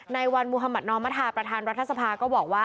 ในวันมุธมัธนอมธาประธานรัฐสภาก็บอกว่า